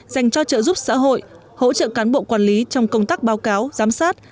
dành cho trợ giúp xã hội hỗ trợ cán bộ quản lý trong công tác báo cáo giám sát